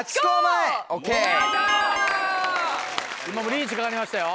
リーチかかりましたよ。